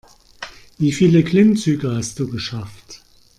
Wie viele Klimmzüge hast du geschafft?